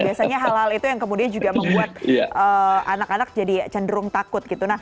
biasanya hal hal itu yang kemudian juga membuat anak anak jadi cenderung takut gitu